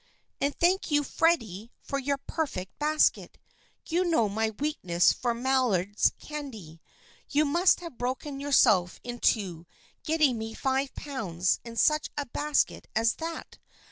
" And thank }^ou, Freddy, for your perfect basket. You know my weakness for Maillard's candy. You must have broken yourself in two getting me five pounds and such a basket as that.